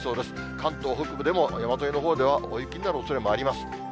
関東北部でも山沿いのほうでは大雪になるおそれもあります。